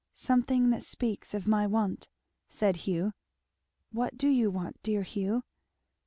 "Something that speaks of my want," said Hugh. "What do you want, dear Hugh?"